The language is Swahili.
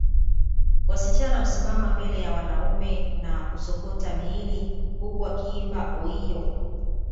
Wasichana husimama mbele ya wanaume na kusokota miili huku wakiimba Oiiiyo